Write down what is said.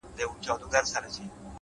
وخت د هرې پرېکړې اغېز ساتي،